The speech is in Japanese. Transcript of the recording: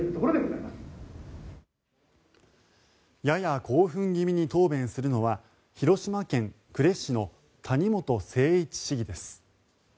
やや興奮気味に答弁するのは広島県呉市の谷本誠一市議です。